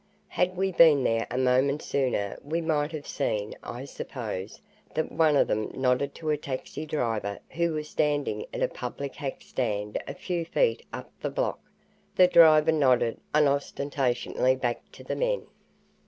Had we been there a moment sooner we might have seen, I suppose, that one of them nodded to a taxicab driver who was standing at a public hack stand a few feet up the block. The driver nodded unostentatiously back to the men.